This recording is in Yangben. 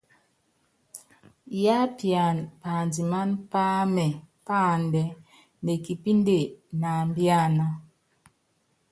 Yiápiana pandimáná páámɛ páandɛ́, nekipìnde, náambíana.